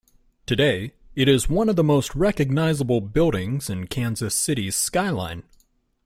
Today, it is one of the most recognizable buildings in Kansas City's skyline.